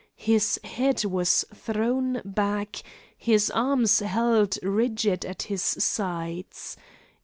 His head was thrown back, his arms held rigid at his sides.